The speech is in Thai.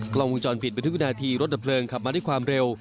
กล้องวงจรผิดเป็นทุกนาทีรถดับเพลิงขับมาที่ความเร็ว